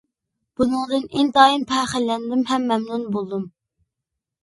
بۇنىڭدىن ئىنتايىن پەخىرلەندىم ھەم مەمنۇن بولدۇم.